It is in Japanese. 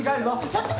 ちょっと！